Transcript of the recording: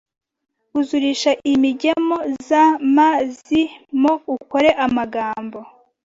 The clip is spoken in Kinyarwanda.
Uzurisha iyi migemo: za, ma, zi, mo ukore amagambo